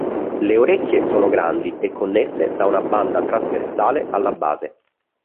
Le orecchie sono grandi e connesse da una banda trasversale alla base.